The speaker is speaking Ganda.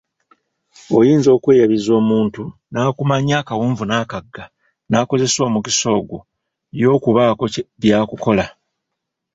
Oyinza okweyabiza omuntu, n’akumanya akawonvu n’akagga, n’akozesa omukisa ogwo y'okubaako by’akukola.